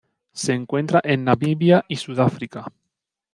Se encuentra en Namibia y Sudáfrica.